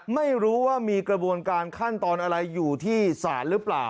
ไม่รู้ว่ามีกระบวนการขั้นตอนอะไรอยู่ที่ศาลหรือเปล่า